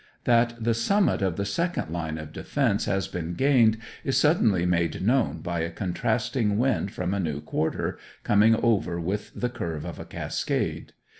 That the summit of the second line of defence has been gained is suddenly made known by a contrasting wind from a new quarter, coming over with the curve of a cascade.